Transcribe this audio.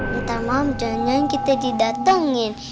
ntar maaf jalan jalan kita didatengin